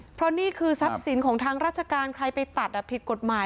เพราะนี่คือทรัพย์สินของทางราชการใครไปตัดผิดกฎหมาย